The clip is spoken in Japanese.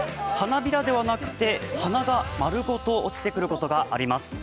花びらではなくて花が丸ごと落ちてくることがあります。